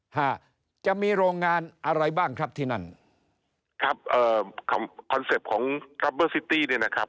ฮะจะมีโรงงานอะไรบ้างครับที่นั่นครับเอ่อคอนเซ็ปต์ของกรอบเบอร์ซิตี้เนี่ยนะครับ